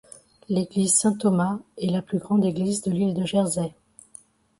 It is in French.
L'église Saint-Thomas est la plus grande église de l'île de Jersey.